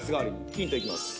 ヒントいきます